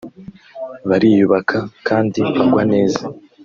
bariyubaha kandi bagwa neza